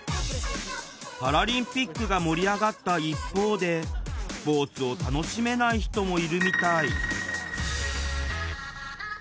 パラリンピックが盛り上がった一方でスポーツを楽しめない人もいるみたい。